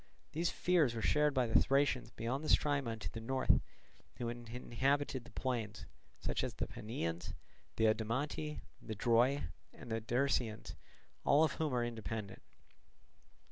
These fears were shared by the Thracians beyond the Strymon to the north, who inhabited the plains, such as the Panaeans, the Odomanti, the Droi, and the Dersaeans, all of whom are independent.